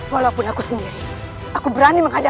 walaupun aku sendiri aku berani menghadapi